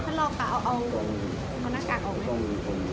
มันกลัวไหมครับว่ามันจะลามไปเรื่อยในหลายที่